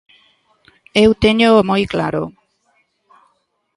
Eu téñoo moi claro.